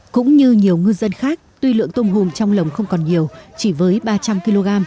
cũng như nhiều ngư dân khác tuy lượng tôm hùm trong lồng không còn nhiều chỉ với ba trăm linh kg